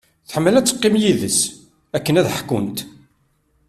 Tḥemmel ad teqqim d yid-s akken ad ḥkunt.